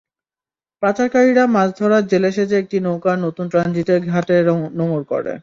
পাচারকারীরা মাছ ধরার জেলে সেজে একটি নৌকা নতুন ট্রানজিট ঘাটে নোঙর করে।